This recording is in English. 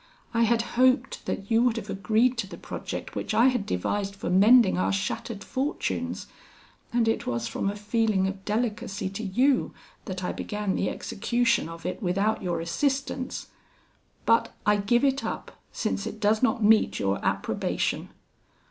I had hoped that you would have agreed to the project which I had devised for mending our shattered fortunes, and it was from a feeling of delicacy to you that I began the execution of it without your assistance; but I give it up since it does not meet your approbation.'